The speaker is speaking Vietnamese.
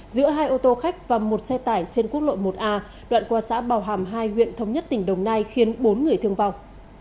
giữa hai ô tô khách và một xe tải trên quốc lộ một a đoạn qua xã bào hàm hai huyện thống nhất tỉnh đồng nai khiến bốn người thương vong